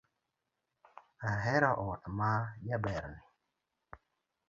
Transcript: Ahero ot ma jaberni.